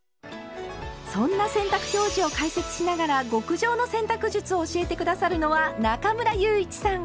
そんな洗濯表示を解説しながら極上の洗濯術を教えて下さるのは中村祐一さん。